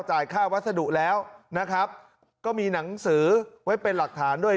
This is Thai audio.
ค่าวัสดุแล้วนะครับก็มีหนังสือไว้เป็นหลักฐานด้วย